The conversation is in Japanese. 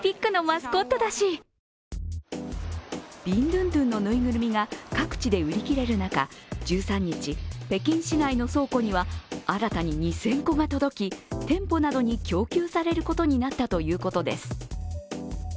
ビンドゥンドゥンのぬいぐるみが各地で売り切れる中１３日、北京市内の倉庫には新たに２０００個が届き店舗などに供給されることになったということです。